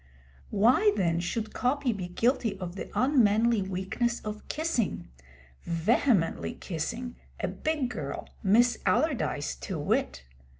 Why, then, should Coppy be guilty of the unmanly weakness of kissing vehemently kissing a 'big girl,' Miss Allardyce to wit?